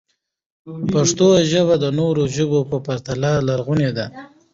پښتو ژبه د نورو ژبو په پرتله لرغونې ده.